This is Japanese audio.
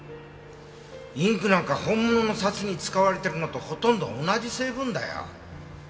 インクなんか本物の札に使われてるのとほとんど同じ成分だよ。